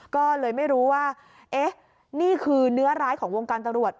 ก็เลยไม่รู้ว่าเอ๊ะนี่คือเนื้อร้ายของวงการตำรวจ